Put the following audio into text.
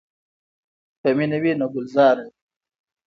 که مینه وي نو ګلزار وي.